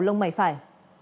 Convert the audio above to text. lông mày phải